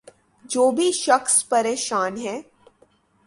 جو بھی شخص پریشان ہے